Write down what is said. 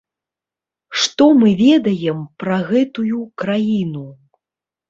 Што мы ведаем пра гэтую краіну?